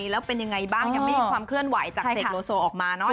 แล้วเป็นยังไงบ้างยังไม่มีความเคลื่อนไหวจากเสกโลโซออกมาเนอะ